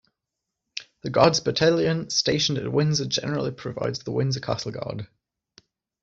The Guards Battalion stationed at Windsor generally provides the Windsor Castle Guard.